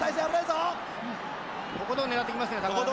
とことん狙ってきますね高田はね。